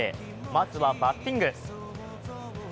まずは、バッティング。